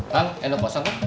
tang enak bosan pak